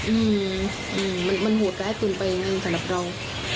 อืมมันหวดงร้ายขึ้นไปยังไงสำหรับเรา